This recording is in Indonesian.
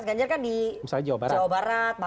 kelemahannya mas ganjar kan di jawa barat banten